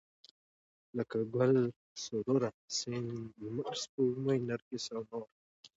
لکه ګل، سروه، سيند، لمر، سپوږمۍ، نرګس او نور